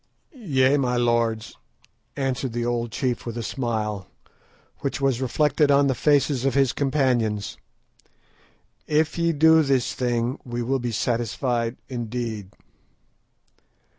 "Yea, my lords," answered the old chief with a smile, which was reflected on the faces of his companions; "if ye do this thing, we will be satisfied indeed."